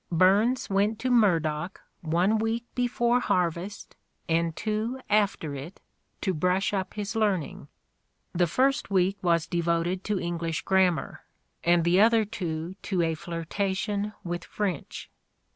... Burns went (to Murdock) one week before harvest and two after it to brush up his learning. ... The first week was devoted to English grammar, and the other two to a flirtation with French.